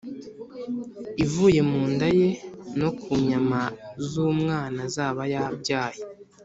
ivuye mu nda ye no ku nyama z’umwana azaba yabyaye,